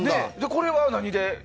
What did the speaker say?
これは何で？